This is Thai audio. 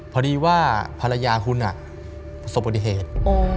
พอดีว่าภรรยาคุณสบปฏิเหตุ